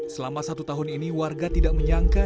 selama satu tahun ini warga tidak menyangka